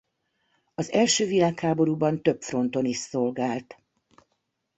Az első világháborúban több fronton is szolgált.